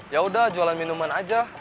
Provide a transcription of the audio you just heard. yaudah jualan minuman aja